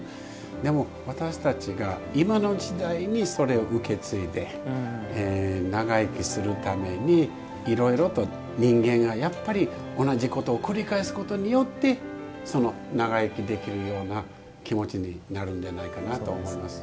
でも、私たちが今の時代にそれを受け継いで長生きするためにいろいろと人間が同じことを繰り返すことによって長生きできるような気持ちになるんじゃないかと思います。